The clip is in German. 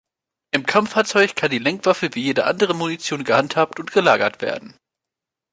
Im Kampffahrzeug kann die Lenkwaffe wie jede andere Munition gehandhabt und gelagert werden.